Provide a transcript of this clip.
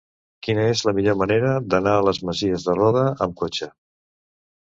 Quina és la millor manera d'anar a les Masies de Roda amb cotxe?